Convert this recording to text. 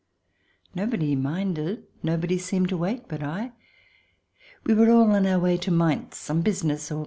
Nobody minded, nobody seemed to wake but I ; we were all on our way to Mainz, on business or CH.